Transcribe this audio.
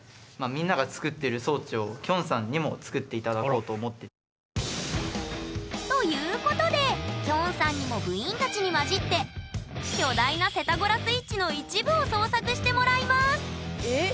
きょうはということできょんさんにも部員たちに交じって巨大なセタゴラスイッチの一部を創作してもらいますええ？